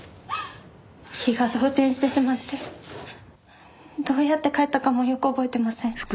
気が動転してしまってどうやって帰ったかもよく覚えてません。